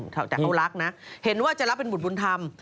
แต่เขารักนะเห็นว่าจะรับเป็นบุตรบุญธรรม